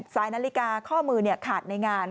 สายนาฬิกาข้อมือขาดในงาน